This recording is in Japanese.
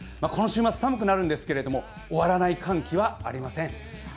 この週末、寒くなるんですけど終わらない寒気はありません。